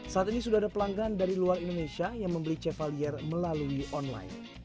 saat ini sudah ada pelanggan dari luar indonesia yang membeli chevalier melalui online